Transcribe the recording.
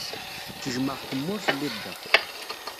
Tejjmeɣ-kem mi ur tettiliḍ da.